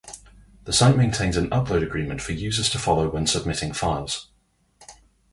The site maintains an upload agreement for users to follow when submitting files.